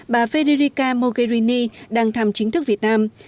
bà federica mogherini đang tham chính thức việt nam